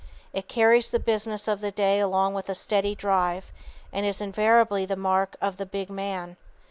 It carries the business of the day along with a steady drive, and is invariably the mark of the big man.